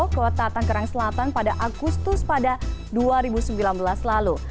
kota tanggerang selatan pada agustus pada dua ribu sembilan belas lalu